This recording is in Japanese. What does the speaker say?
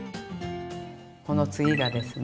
この次がですね